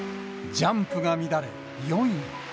ジャンプが乱れ４位。